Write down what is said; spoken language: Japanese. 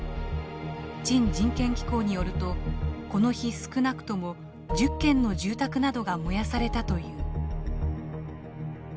チン人権機構によるとこの日少なくとも１０軒の住宅などが燃やされたという。